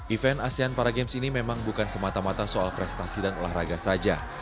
event asean para games ini memang bukan semata mata soal prestasi dan olahraga saja